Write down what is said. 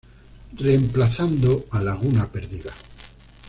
Reemplazando a Laguna Perdida.